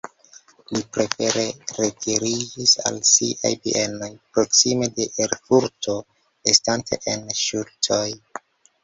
Li prefere retiriĝis al siaj bienoj proksime de Erfurto, estante en ŝuldoj.